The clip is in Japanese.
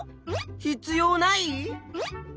必要ない？